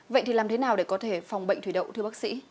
vậy thì làm thế nào để có thể phòng bệnh thủy đậu thưa bác sĩ